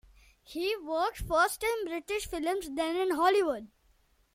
He worked first in British films then in Hollywood.